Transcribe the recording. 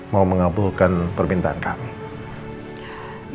mau mengabulkan permintaan kami